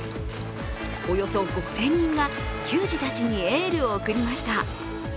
およそ５０００人が球児たちにエールを送りました。